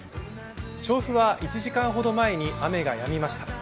調布は１時間ほど前に雨がやみました。